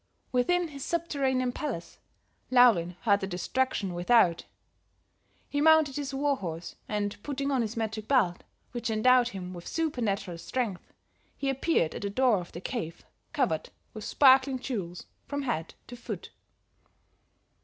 "Within his subterranean palace, Laurin heard the destruction without; he mounted his war horse, and putting on his magic belt, which endowed him with supernatural strength, he appeared at the door of the cave covered with sparkling jewels from head to foot.